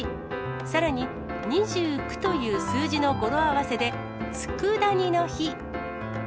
さらに２９という数字の語呂合わせで、佃煮の日。